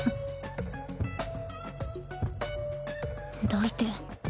どいて。